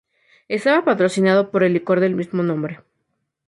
Estaba patrocinado por el licor del mismo nombre.